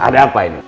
ada apa ini